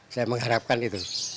saya mengharapkan itu